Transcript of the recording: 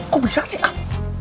kok bisa sih ah